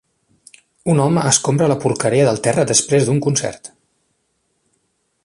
Un home escombra la porqueria del terra després d'un concert.